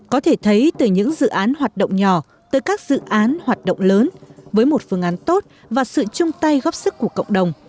có thể thấy từ những dự án hoạt động nhỏ tới các dự án hoạt động lớn với một phương án tốt và sự chung tay góp sức của cộng đồng